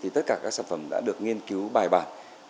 tất cả các sản phẩm đã được nghiên cứu bài bản